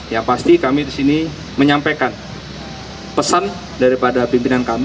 yang pasti kami di sini menyampaikan pesan daripada pimpinan kami